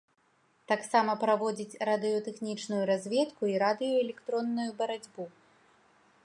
Таксама праводзіць радыётэхнічную разведку і радыёэлектронную барацьбу.